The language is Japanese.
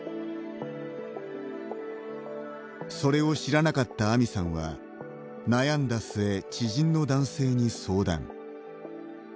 それを知らなかったアミさんは悩んだ末、知人の男性に相談。